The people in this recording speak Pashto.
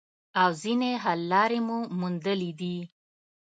او ځینې حل لارې مو موندلي دي